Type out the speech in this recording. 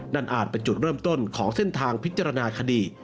อาจเป็นจุดเริ่มต้นของเส้นทางพิจารณาคดี